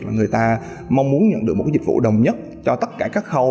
và người ta mong muốn nhận được một dịch vụ đồng nhất cho tất cả các khâu